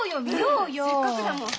うんせっかくだもん。